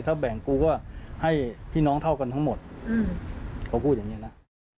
ถ้าแบ่งกูก็ให้พี่น้องเท่ากันทั้งหมดเขาพูดอย่างนี้นะ